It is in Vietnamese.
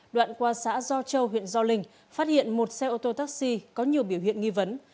đoạn qua xã do châu huyện do linh phát hiện một xe ô tô taxi có nhiều biểu hiện nghi vấn